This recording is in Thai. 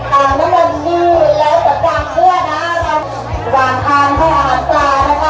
หวานอาหารให้อาหารตลาดนะครับ